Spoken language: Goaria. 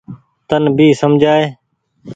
تن ڀي سمجهائي۔